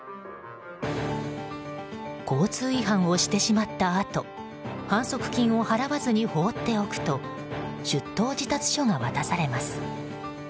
交通違反をしてしまったあと反則金を払わずに放っておくと出頭示達書が渡されます。